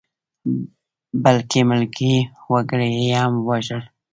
بلکې ملکي وګړي یې هم ووژل.